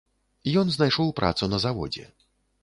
Ён знайшоў працу на заводзе.